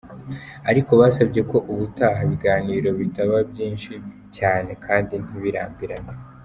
Ariko, basabye ko ubutaha ibiganiro bitaba byinshi cyane kandi ntibirambirane.